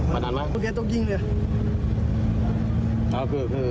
มันอาจมั้ยตรงโน้นตรงโน้นตรงยิงเหรอ